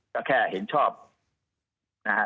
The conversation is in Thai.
ก็แค่เห็นชอบนะฮะ